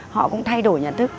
họ cũng thay đổi nhận thức